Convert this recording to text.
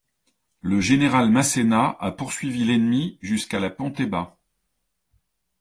Le général Masséna a poursuivi l'ennemi jusqu'à la Ponteba.